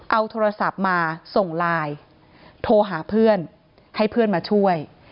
เอาโทรศัพท์มาส่งไลน์โทรหาเพื่อนให้เพื่อนมาช่วย